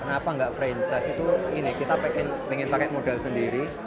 kenapa nggak franchise itu ini kita pengen pakai modal sendiri